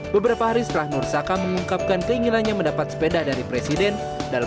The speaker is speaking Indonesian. beberapa hari setelah nur saka mengungkapkan keinginannya mendapat sepeda dari presiden dalam